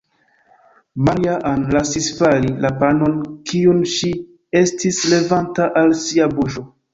Maria-Ann lasis fali la panon, kiun ŝi estis levanta al sia buŝo.